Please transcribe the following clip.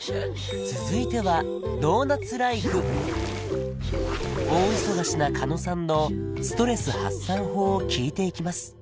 続いては大忙しな狩野さんのストレス発散法を聞いていきます